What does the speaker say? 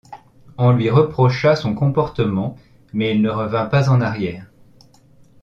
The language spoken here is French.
On lui reprocha son comportement mais il ne revint pas en arrière.